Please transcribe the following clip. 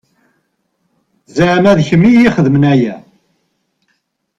Zeɛma d kemm i ixedmen aya?